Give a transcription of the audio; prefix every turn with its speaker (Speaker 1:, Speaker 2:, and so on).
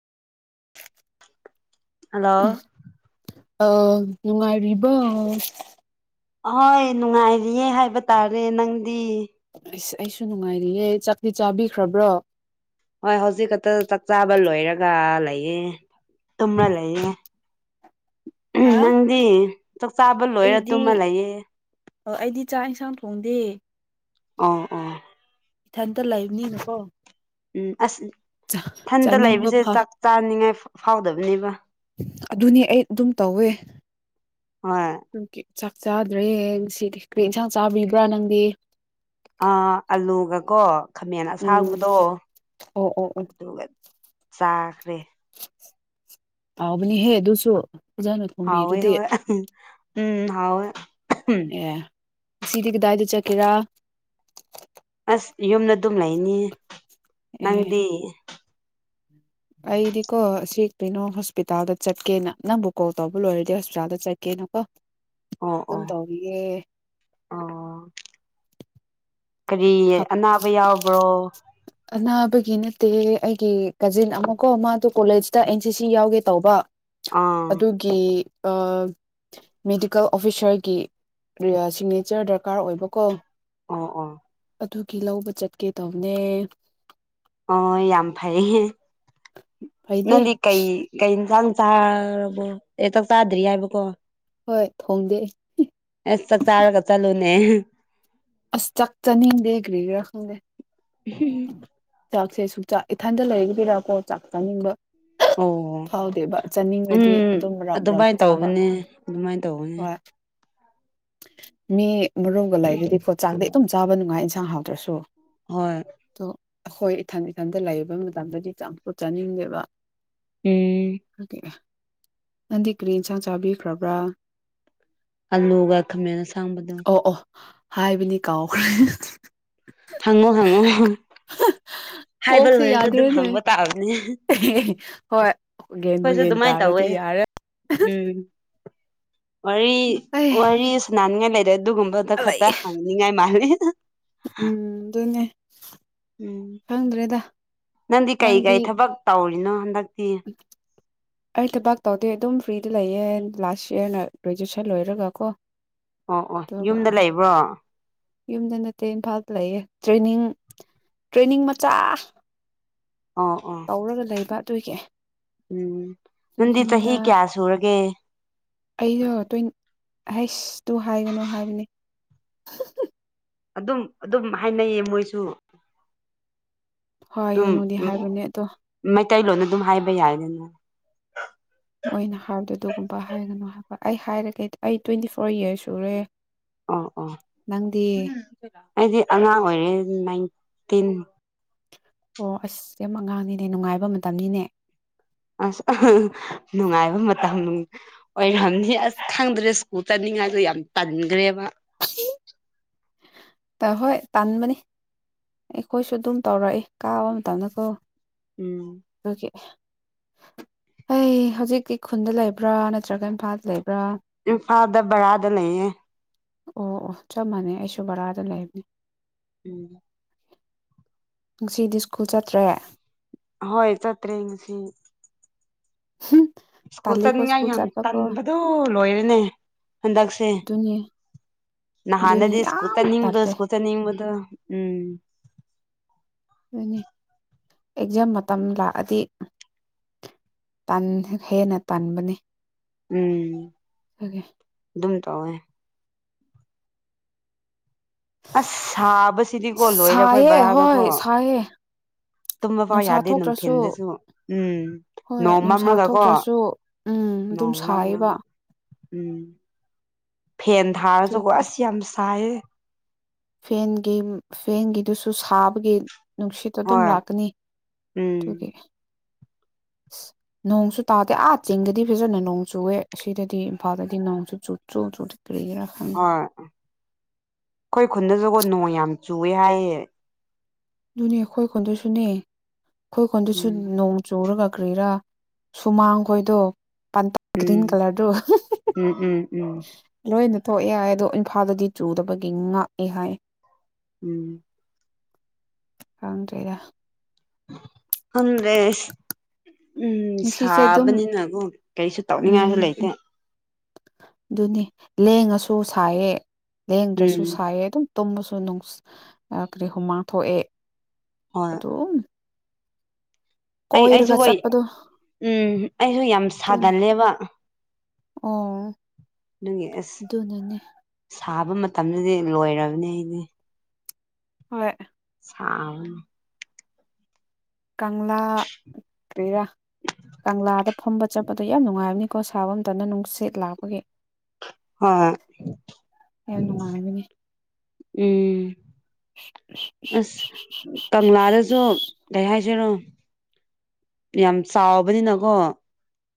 Speaker 1: hello
Speaker 2: ꯑ ꯅꯨꯡꯉꯥꯏꯔꯤꯕ
Speaker 1: ꯑꯍꯣꯏ ꯅꯨꯡꯉꯥꯏꯔꯤꯌꯦ ꯍꯥꯏꯕ ꯇꯥꯔꯦ ꯅꯪꯗꯤ
Speaker 2: ꯑꯁ ꯑꯩꯁꯨ ꯅꯨꯡꯉꯥꯏꯔꯤꯌꯦꯦ ꯆꯥꯛꯛꯇꯤ ꯆꯥꯕꯤꯈ꯭ꯔꯕ꯭ꯔꯣ
Speaker 1: ꯍꯣꯏ ꯍꯧꯖꯤꯛ ꯈꯛꯇ ꯆꯥꯛ ꯆꯥꯕ ꯂꯣꯏꯔꯒ ꯂꯩꯌꯦ ꯇꯨꯝꯅ ꯂꯩꯌꯦꯦ ꯎꯝ
Speaker 2: ꯍꯥ
Speaker 1: ꯅꯪꯗꯤ ꯆꯥꯛꯆꯥꯥꯕ ꯂꯣꯏꯔ ꯇꯨꯝꯃ
Speaker 2: ꯑꯩꯗꯤ
Speaker 1: ꯂꯩꯌꯦꯦ
Speaker 2: ꯑꯣ ꯑꯩꯗꯤ ꯆꯥꯛ ꯏꯟꯁꯥꯡ ꯊꯣꯡꯗꯦ
Speaker 1: ꯑꯣ ꯑꯣ
Speaker 2: ꯏꯊꯟꯇ ꯂꯩꯕꯅꯤꯅꯀꯣ
Speaker 1: ꯎꯝ ꯑꯁ ꯏꯊꯟꯇ
Speaker 2: ꯆꯥꯅꯤꯡꯕ
Speaker 1: ꯂꯩꯕꯁꯦ
Speaker 2: ꯐ
Speaker 1: ꯆꯥꯛ ꯆꯥꯅꯤꯡꯉꯥꯏ ꯐꯥꯎꯗꯕꯅꯦꯕ
Speaker 2: ꯑꯗꯨꯅꯤ ꯑꯩ ꯑꯗꯨꯝ ꯇꯧꯋꯦ
Speaker 1: ꯍꯣꯏ
Speaker 2: ꯑꯗꯨꯒꯤ ꯆꯥꯛ ꯆꯥꯗ꯭ꯔꯦꯌꯦꯡ ꯁꯤꯗꯤ ꯀꯩ ꯌꯦꯟꯁꯥꯡ ꯆꯥꯕꯤꯕ꯭ꯔꯥ ꯅꯪꯗꯤ
Speaker 1: ꯑ ꯑꯜꯂꯨꯒꯀꯣ ꯈꯥꯃꯦꯟ
Speaker 2: ꯎꯝ
Speaker 1: ꯑꯁꯥꯡꯕꯗꯣ
Speaker 2: ꯑꯣ ꯑꯣ ꯑꯣ
Speaker 1: ꯑꯗꯨꯒ ꯆꯥꯈ꯭ꯔꯦ
Speaker 2: ꯍꯥꯎꯕꯅꯤꯍꯦ ꯑꯗꯨꯁꯨ ꯑꯣꯖꯥꯅ ꯊꯣꯡꯕꯤꯔꯗꯤ
Speaker 1: ꯎꯝ ꯎꯝ ꯍꯥꯎ
Speaker 2: ꯑꯦ ꯁꯤꯗꯤꯤꯒꯤꯗꯥꯏꯗ ꯆꯀꯦꯔꯥ
Speaker 1: ꯑꯁ ꯌꯨꯝꯗ ꯑꯗꯨꯝ ꯂꯩꯅꯤ
Speaker 2: ꯑꯦ
Speaker 1: ꯅꯪꯗꯤ
Speaker 2: ꯑꯩꯗꯤꯀꯣ ꯁꯤ ꯀꯩꯅꯣ ꯍꯣꯁꯄꯤꯇꯥꯜꯗ ꯆꯠꯀꯦꯅ ꯅꯪꯕꯨ ꯀꯣꯜ ꯇꯧꯕ ꯂꯣꯏꯔꯗꯤ ꯍꯣꯁꯄꯤꯇꯥꯜꯗ ꯆꯠꯀꯦꯅ ꯀꯣ
Speaker 1: ꯑꯣ
Speaker 2: ꯑꯗꯨꯝ
Speaker 1: ꯑꯣ
Speaker 2: ꯇꯧꯔꯤꯌꯦ
Speaker 1: ꯑꯣ ꯀꯔꯤ ꯑꯅꯥꯕ ꯌꯥꯎꯕ꯭ꯔꯣ
Speaker 2: ꯑꯅꯥꯕꯒꯤ ꯅꯠꯇꯦ ꯑꯩꯒꯤ ꯀꯥꯖꯤꯟ ꯑꯃꯀꯣ ꯃꯥꯗꯣ ꯀꯣꯂꯦꯖꯇ ꯑꯦꯟ ꯁꯤ ꯁꯤ ꯌꯥꯎꯒꯦ ꯇꯧꯕ
Speaker 1: ꯑꯥ
Speaker 2: ꯀ ꯃꯦꯗꯤꯀꯦꯜ ꯑꯣꯐꯤꯁꯔꯒꯤ ꯁꯤꯒꯅꯦꯆꯔ ꯗꯔꯀꯥꯔ ꯑꯣꯏꯕꯀꯣ
Speaker 1: ꯑꯣ ꯑꯣ
Speaker 2: ꯑꯗꯨꯒꯤ ꯂꯧꯕ ꯆꯠꯀꯦ ꯇꯧꯅꯦ
Speaker 1: ꯑꯣ ꯌꯥꯝ ꯐꯩ
Speaker 2: ꯐꯩꯗꯦ
Speaker 1: ꯅꯪꯗꯤ ꯀꯩ ꯀꯩ ꯏꯟꯁꯥꯡ ꯆꯥꯔꯕꯣ ꯑꯦ ꯆꯥꯛ ꯆꯥꯗ꯭ꯔꯤ ꯍꯥꯏꯕꯀꯣ
Speaker 2: ꯍꯣꯏ ꯊꯣꯡꯗꯦ
Speaker 1: ꯑꯦꯁ ꯆꯥꯛ ꯆꯥꯔꯒ ꯆꯠꯂꯨꯅꯦ
Speaker 2: ꯑꯁ ꯆꯛ ꯆꯅꯤꯡꯗꯦꯒ꯭ꯔꯤꯒꯔ ꯈꯪꯗꯦ
Speaker 1: ꯍ
Speaker 2: ꯆꯥꯛꯁꯦ ꯁꯨꯛꯆꯥꯛ ꯏꯊꯟꯗ ꯂꯩꯔꯒꯕꯤꯔꯀꯣ ꯆꯥꯛ ꯆꯥꯅꯤꯡꯕ
Speaker 1: ꯑꯣ
Speaker 2: ꯐꯥꯎꯗꯦꯕ ꯆꯥꯅꯤꯡꯈ꯭ꯔꯗꯤ
Speaker 1: ꯎꯝ
Speaker 2: ꯑꯗꯨꯝ ꯔꯥꯎꯟ ꯔꯥꯎꯟꯗ
Speaker 1: ꯑꯗꯨꯃꯥꯏꯅ
Speaker 2: ꯆꯥꯕ
Speaker 1: ꯇꯧꯕꯅꯦ ꯑꯗꯨꯃꯥꯏꯅ ꯇꯧꯕꯅꯦ
Speaker 2: ꯍꯣꯏ ꯃꯤ ꯃꯔꯨꯝꯒ ꯂꯩꯔꯗꯤꯀꯣ ꯆꯥꯛꯗꯩ ꯏꯇꯝ ꯆꯥꯕ ꯅꯨꯡꯉꯥꯏ ꯏꯟꯁꯥꯡ ꯍꯥꯎꯗ꯭ꯔꯁꯨ
Speaker 1: ꯍꯣꯏ
Speaker 2: ꯑꯣ ꯑꯩꯈꯣꯏ ꯏꯊꯟ ꯏꯊꯟꯇ ꯂꯩꯕ ꯃꯇꯝꯗꯗꯤ ꯆꯝꯊꯣꯠꯆꯥꯅꯤꯡꯗꯦꯕ
Speaker 1: ꯎ
Speaker 2: ꯅꯪꯗꯤ ꯀꯔꯤ ꯏꯟꯁꯥꯡ ꯆꯥꯕꯤꯈ꯭ꯔꯕ꯭ꯔꯥ
Speaker 1: ꯑꯜꯂꯨꯒ ꯈꯥꯃꯦꯟꯅ ꯁꯥꯡꯕꯗꯣ
Speaker 2: ꯑꯣ ꯑꯣ ꯍꯥꯏꯕꯅꯤ ꯀꯥꯎꯈ꯭ꯔꯦ
Speaker 1: ꯍꯪꯉꯣ ꯍꯪꯉꯣ ꯍꯥꯏꯕ
Speaker 2: ꯀꯣꯛꯁꯦ
Speaker 1: ꯂꯣꯏꯔꯁꯨ ꯑꯗꯨꯝ
Speaker 2: ꯌꯥꯗ꯭ꯔꯦꯅꯦ
Speaker 1: ꯍꯪꯕ ꯇꯥꯕꯅꯦ
Speaker 2: ꯍꯣꯏ ꯒ꯭ꯌꯥꯟꯕꯨ
Speaker 1: ꯑꯩꯈꯣꯏꯁꯨ
Speaker 2: ꯒ꯭ꯌꯥꯟ
Speaker 1: ꯑꯗꯨꯃꯥꯏꯅ ꯇꯧꯋꯦ
Speaker 2: ꯇꯥꯔꯗꯤ ꯌꯥꯔꯦ
Speaker 1: ꯎꯝ ꯋꯥꯔꯤ
Speaker 2: ꯑꯩ
Speaker 1: ꯋꯥꯔꯤꯁꯨ ꯅꯥꯅꯤꯡꯉꯥꯏ ꯂꯩꯔꯦ ꯑꯗꯨꯒꯨꯝꯕꯗ ꯈꯛꯇ ꯍꯥꯡꯉ ꯉꯥꯏ ꯃꯥꯔꯦ
Speaker 2: ꯎꯝ ꯑꯗꯨꯅꯦꯦ
Speaker 1: ꯎꯝ ꯅꯪꯗꯤ ꯀꯩ ꯀꯔꯤ ꯊꯕꯛ ꯇꯧꯔꯤꯅꯣ ꯍꯟꯗꯛꯇꯤ
Speaker 2: [inaudible] ꯑꯩ ꯊꯕꯥꯛ ꯇꯧꯗꯦ ꯑꯗꯨꯝ ꯐ꯭ꯔꯤꯗ ꯂꯩꯌꯦ ꯂꯥꯁ ꯌꯔꯅ ꯒ꯭ꯔꯦꯖꯨꯑꯦꯁꯟ ꯂꯣꯏꯔꯒ ꯀꯣ
Speaker 1: ꯑꯣ ꯑꯣ
Speaker 2: ꯑꯗꯨꯒ
Speaker 1: ꯌꯨꯝꯗ ꯂꯩꯕ꯭ꯔꯣ
Speaker 2: ꯌꯨꯝꯗ ꯅꯠꯇꯦ ꯏꯝꯐꯥꯜꯗ ꯂꯩꯌꯦꯦ ꯇ꯭ꯔꯦꯅꯤꯡ ꯇ꯭ꯔꯦꯅꯤꯡ ꯃꯆꯥ
Speaker 1: ꯑꯣ ꯑꯣ
Speaker 2: ꯇꯧꯔꯒ ꯂꯩꯕ ꯑꯗꯨꯏꯒꯤ
Speaker 1: ꯎꯝ ꯅꯪꯗꯤ ꯆꯍꯤ ꯀꯌꯥ ꯁꯨꯔꯒꯦ
Speaker 2: ꯑꯩꯅ ꯇ꯭ꯋ ꯍꯩꯁ ꯇꯨ ꯍꯥꯏꯒꯅꯨ ꯍꯥꯏꯕꯅꯤ
Speaker 1: ꯑꯗꯨꯝ ꯑꯗꯨꯝ ꯍꯥꯏꯅꯩꯌꯦ ꯃꯣꯏꯁꯨ ꯑꯗꯨꯝ
Speaker 2: ꯍꯥꯏꯒꯅꯨꯗꯤ ꯍꯥꯏꯕꯅꯦ ꯑꯗꯣ
Speaker 1: ꯃꯩꯇꯩꯂꯣꯟꯅ ꯑꯗꯨꯝ ꯍꯥꯏꯕ ꯌꯥꯏꯗꯅ
Speaker 2: ꯃꯣꯏꯅ ꯍꯥꯏꯔꯕꯗ ꯑꯗꯨꯒꯨꯝꯕ ꯍꯥꯏꯒꯅꯨ ꯍꯥꯏꯕ ꯑꯩ ꯍꯥꯏꯔꯒꯩꯗꯤ ꯑꯩ ꯇ꯭ꯋꯦꯟꯇꯤ ꯐꯣꯔ ꯌꯔꯁ ꯁꯨꯔꯦ
Speaker 1: ꯑꯣ ꯑꯣ
Speaker 2: ꯅꯪꯗꯤ
Speaker 1: ꯑꯩꯗꯤ ꯑꯉꯥꯡ ꯑꯣꯏꯔꯦ ꯅꯥꯏꯟꯇꯤꯟ
Speaker 2: ꯑꯣ ꯑꯁ ꯌꯥꯝ ꯑꯉꯥꯡꯅꯤꯅꯦ ꯅꯨꯡꯉꯥꯏꯕ ꯃꯇꯝꯅꯤꯅꯦ
Speaker 1: ꯑꯁ ꯅꯨꯡꯉꯥꯏꯕ ꯃꯇꯝ ꯑꯣꯏꯔꯝꯅꯤ ꯑꯁ ꯈꯪꯗ꯭ꯔꯦ ꯁ꯭ꯀꯨꯜ ꯆꯠꯅꯤꯡꯉꯥꯏꯗ ꯌꯥꯝ ꯇꯟꯈ꯭ꯔꯦꯕ
Speaker 2: ꯁꯤ ꯍꯣꯏ ꯇꯟꯥꯟꯕꯅꯤ ꯑꯩꯈꯣꯏꯁꯨ ꯑꯗꯨꯝ ꯇꯧꯔꯛꯏ ꯀꯥꯕ ꯃꯇꯝꯗꯀꯣ
Speaker 1: ꯎꯝ
Speaker 2: ꯑꯣꯀꯦ ꯑꯩ ꯍꯧꯖꯤꯛꯀꯤ ꯈꯨꯟꯗ ꯂꯩꯕ꯭ꯔꯥ ꯅꯠꯇ꯭ꯔꯒ ꯏꯝꯐꯥꯜꯗ ꯂꯩꯕ꯭ꯔꯥ
Speaker 1: ꯏꯝꯐꯥꯜꯗ ꯕꯣꯔꯥꯗ ꯂꯩꯌꯦ
Speaker 2: ꯑꯣ ꯑꯣ ꯆꯞ ꯃꯥꯟꯅꯩ ꯑꯩꯁꯨ ꯕꯣꯔꯥꯗ ꯂꯩꯕꯅꯦ
Speaker 1: ꯎꯝ
Speaker 2: ꯉꯁꯤꯗꯤ ꯁ꯭ꯀꯨꯜ ꯆꯠꯇ꯭ꯔꯦ
Speaker 1: ꯍꯣꯏ ꯆꯠꯇ꯭ꯔꯦ ꯉꯁꯤ ꯁ꯭ꯀꯨꯜ
Speaker 2: ꯇꯥꯜꯂꯤꯀꯣ
Speaker 1: ꯆꯠꯅꯤꯡꯉꯥꯏ
Speaker 2: ꯁ꯭ꯀꯨꯜ
Speaker 1: ꯌꯥꯝ
Speaker 2: ꯆꯠꯄꯀꯣ
Speaker 1: ꯇꯟꯕꯗꯨ ꯂꯣꯏꯔꯦꯅꯦ ꯍꯟꯗꯛꯁꯦ
Speaker 2: [inaudible]
Speaker 1: ꯅ ꯍꯥꯟꯅꯗꯤ ꯏꯁ
Speaker 2: ꯌꯥꯝ ꯇꯜꯂꯦ
Speaker 1: ꯀꯨꯇꯥꯅꯤꯗꯁ ꯀꯨꯇꯥꯅꯤꯝꯗꯨ ꯎꯝ
Speaker 2: ꯑꯗꯨ ꯑꯦꯛꯖꯥꯝ ꯃꯇꯝ ꯂꯥꯛꯑꯗꯤ ꯍꯦꯟꯅ ꯇꯥꯟꯕꯅꯦ
Speaker 1: ꯎꯝ
Speaker 2: ꯍꯥꯏꯦ
Speaker 1: ꯑꯗꯨꯝ ꯇꯧꯋꯦ ꯑꯁ ꯁꯥꯕꯁꯤꯗꯤꯀꯣ ꯂꯣꯏꯔꯦ ꯑꯩꯈꯣꯏ ꯕꯔꯥꯗꯀꯣ
Speaker 2: ꯑꯣꯏꯑꯦ
Speaker 1: ꯇꯨꯝꯕ ꯐꯥꯎ ꯌꯥꯗꯦ ꯅꯨꯡꯊꯤꯟꯗꯁꯨ ꯎꯝ
Speaker 2: ꯍꯣꯏ
Speaker 1: ꯅꯣꯡꯃ
Speaker 2: ꯅꯨꯡꯁꯥ
Speaker 1: ꯑꯃꯔꯒ ꯀꯣ
Speaker 2: ꯊꯣꯛꯇ꯭ꯔꯁꯨ ꯎꯝ ꯑꯗꯨꯝ
Speaker 1: ꯅꯣꯡꯃ
Speaker 2: ꯁꯥꯏꯌꯦꯕ
Speaker 1: ꯑꯃꯔꯒ ꯎꯝ ꯐꯦꯟ ꯊꯥꯔꯁꯨꯀꯣ
Speaker 2: ꯑꯗꯨꯒꯤ
Speaker 1: ꯑꯁ ꯌꯥꯝ ꯁꯥꯏꯌꯦ
Speaker 2: ꯐꯦꯟꯒꯤ ꯐꯦꯟꯒꯤꯗꯨꯁꯨ ꯁꯥꯕꯒꯤ ꯅꯨꯡꯁꯤꯠꯇ ꯑꯗꯨꯝ
Speaker 1: ꯍꯣꯏ
Speaker 2: ꯂꯥꯛꯀꯅꯤ ꯑꯗꯨꯒꯤ
Speaker 1: ꯎꯝ
Speaker 2: ꯅꯣꯡꯁꯨ ꯇꯥꯗꯦ ꯑꯥ ꯆꯦꯡꯗꯗꯤ ꯐꯖꯅ ꯅꯣꯡ ꯆꯨꯑꯦ ꯁꯤꯗꯗꯤ ꯏꯝꯐꯥꯜꯗꯗꯤ ꯅꯣꯡꯁꯨ ꯆꯨ ꯆꯨ ꯆꯨ ꯀ꯭ꯔꯤꯔꯥ
Speaker 1: ꯑ ꯑꯩꯈꯣꯏ ꯈꯨꯟꯗꯁꯨꯒꯣ ꯅꯣꯡ ꯌꯥꯝ ꯆꯨꯋꯦ ꯍꯥꯏꯌꯦ
Speaker 2: ꯑꯗꯨꯅꯦ ꯑꯩꯈꯣꯏ ꯀꯣꯟꯗꯁꯨꯅꯦ ꯑꯩꯈꯣꯏ ꯀꯣꯟꯗꯁꯨ
Speaker 1: ꯎꯝ
Speaker 2: ꯅꯣꯡ ꯆꯨꯔꯒ ꯀ꯭ꯔꯤꯔꯥ ꯁꯨꯃꯥꯡ ꯈꯣꯏꯗꯣ
Speaker 1: ꯎꯝ ꯎꯝ ꯎꯝ ꯎꯝ
Speaker 2: ꯂꯣꯏꯅ ꯊꯣꯛꯑꯦ ꯍꯥꯏꯏ ꯑꯗꯣ ꯏꯝꯐꯥꯜꯗꯗꯤ ꯆꯨꯗꯕꯒꯤ ꯉꯥꯛꯑꯦ ꯍꯥꯏ
Speaker 1: ꯎꯝ
Speaker 2: ꯈꯪꯗ꯭ꯔꯦꯗꯥ
Speaker 1: [unintelligible] ꯎꯝ
Speaker 2: ꯉꯁꯤꯁꯦ ꯑꯗꯨꯝ
Speaker 1: ꯁꯥꯕꯅꯤꯅꯕꯨ ꯀꯩꯁꯨ ꯇꯧꯅꯤꯡꯉꯥꯏꯁꯨ
Speaker 2: ꯎꯝ
Speaker 1: ꯂꯩꯇꯦ
Speaker 2: ꯑꯗꯨꯅꯤ ꯂꯦꯡꯉꯁꯨ ꯁꯥꯏꯌꯦ ꯂꯦꯡꯗ꯭ꯔꯁꯨ
Speaker 1: ꯎꯝ
Speaker 2: ꯁꯥꯏꯌꯦ ꯑꯗꯨꯝ ꯇꯨꯝꯕꯁꯨ ꯅꯨꯡ ꯀꯔꯤ ꯍꯨꯃꯥꯡ ꯊꯣꯛꯑꯦ
Speaker 1: ꯍꯣꯏ
Speaker 2: ꯑꯗꯨꯝ
Speaker 1: ꯑꯩ ꯑꯩꯁꯨ
Speaker 2: ꯀꯣꯏꯔꯒ
Speaker 1: ꯍꯣꯏ
Speaker 2: ꯆꯠꯄꯗꯣ
Speaker 1: ꯎꯝ ꯑꯩꯁꯨ ꯌꯥꯝ
Speaker 2: ꯑꯗꯨꯅ
Speaker 1: ꯁꯥꯒꯜꯂꯦꯕ
Speaker 2: ꯑꯣ
Speaker 1: ꯗꯨꯒꯤ ꯑꯁ
Speaker 2: ꯑꯗꯨꯅꯅꯦ
Speaker 1: ꯁꯥꯕ ꯃꯇꯝꯗꯗꯤ ꯂꯣꯏꯔꯕꯅꯦ ꯑꯩꯗꯤ
Speaker 2: ꯍꯣꯏ
Speaker 1: ꯁꯥꯕꯅ
Speaker 2: ꯀꯪꯂꯥ ꯀꯦꯔꯥ ꯀꯪꯂꯥꯗ ꯐꯝꯕ ꯆꯠꯄꯗꯣ ꯌꯥꯝ ꯅꯨꯡꯉꯥꯏꯕꯅꯤꯀꯣ ꯁꯥꯕ ꯃꯝꯇꯗ ꯅꯨꯡꯁꯤꯠ ꯂꯥꯛꯄꯒꯤ
Speaker 1: ꯍꯣꯏ
Speaker 2: ꯌꯥꯝ ꯅꯨꯡꯉꯥꯏꯕꯅꯤ
Speaker 1: ꯎꯝ
Speaker 2: [unintelligible]
Speaker 1: ꯑꯁ ꯀꯪꯂꯥꯗꯁꯨ ꯀꯩ ꯍꯥꯏꯁꯤꯔꯣ ꯌꯥꯝ ꯆꯥꯎꯕꯅꯤꯅꯀꯣ